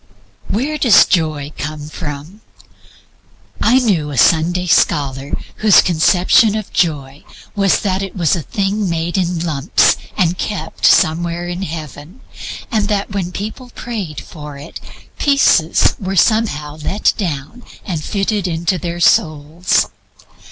Where does Joy come from? I knew a Sunday scholar whose conception of Joy was that it was a thing made in lumps and kept somewhere in Heaven, and that when people prayed for it, pieces were somehow let down and fitted into their souls.